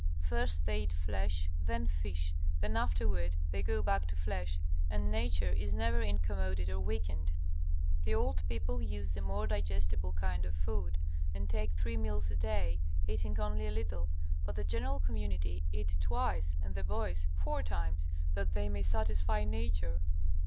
First they eat flesh, then fish, then afterward they go back to flesh, and nature is never incommoded or weakened. The old people use the more digestible kind of food, and take three meals a day, eating only a little. But the general community eat twice, and the boys four times, that they may satisfy nature.